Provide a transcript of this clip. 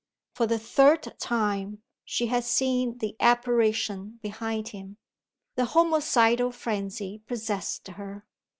For the third time, she had seen the Apparition behind him. The homicidal frenzy possessed her.